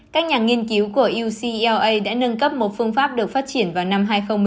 các nhà nghiên cứu của ucr đã nâng cấp một phương pháp được phát triển vào năm hai nghìn một mươi